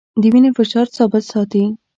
د وینې فشار ثابت ساتي.